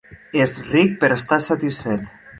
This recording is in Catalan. És ric per estar satisfet.